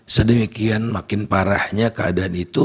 sedemikian makin parahnya keadaan itu